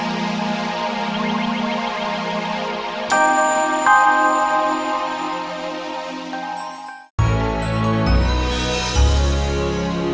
lo bakal cari tau